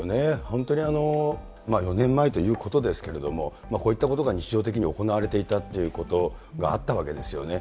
本当に４年前ということですけれども、こういったことが日常的に行われていたということがあったわけですよね。